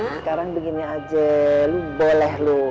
sekarang begini aja lu boleh lu